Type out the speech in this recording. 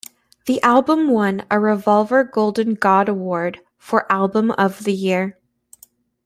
The album won a Revolver Golden God award for "Album of the Year".